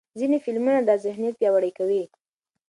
ځینې فلمونه دا ذهنیت پیاوړی کوي.